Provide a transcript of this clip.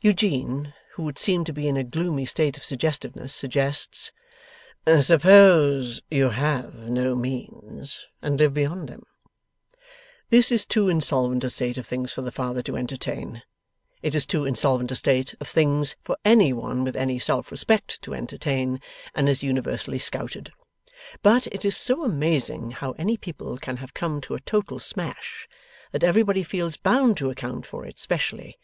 Eugene (who would seem to be in a gloomy state of suggestiveness), suggests, 'Suppose you have no means and live beyond them?' This is too insolvent a state of things for the Father to entertain. It is too insolvent a state of things for any one with any self respect to entertain, and is universally scouted. But, it is so amazing how any people can have come to a total smash, that everybody feels bound to account for it specially.